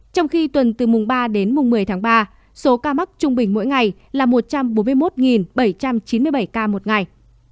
trong khi tuần từ mùng ba đến mùng một mươi tháng ba số ca mắc trung bình mỗi ngày là một trăm bốn mươi một bảy trăm chín mươi bảy ca một ngày